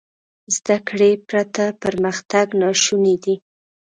زده کړې پرته پرمختګ ناشونی دی.